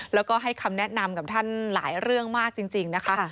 แล้วก็ให้คำแนะนำกับท่านหลายเรื่องมากจริงนะคะ